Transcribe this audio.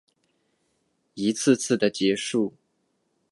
一次次的结束